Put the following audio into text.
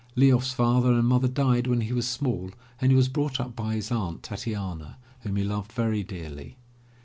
Lyof's father and mother died when he was small and he was brought up by his aunt, Tatiana, whom he i66 THE LATCH KEY loved very dearly.